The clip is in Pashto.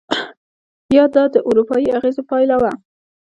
یا دا د اروپایي اغېزو پایله وه؟